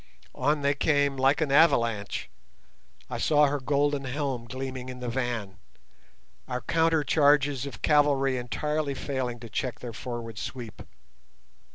On they came like an avalanche—I saw her golden helm gleaming in the van—our counter charges of cavalry entirely failing to check their forward sweep.